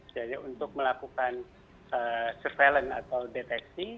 jadi untuk melakukan surveillance atau deteksi